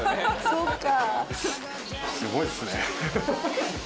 そっか。